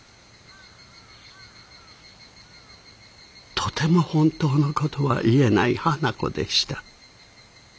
とても本当の事は言えない花子でした。